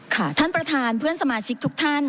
ท่านประธานเพื่อนสมาชิกทุกท่าน